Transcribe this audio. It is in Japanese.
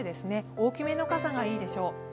大きめの傘がいいでしょう。